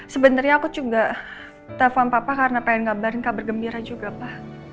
sebenarnya aku juga telepon bapak karena ingin ngabarin kabar gembira juga pak